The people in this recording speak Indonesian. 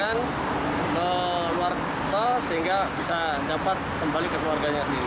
sehingga bisa dapat kembali ke keluarganya sendiri